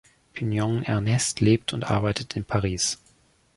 Pignon-Ernest lebt und arbeitet in Paris.